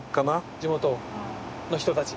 地元の人たち。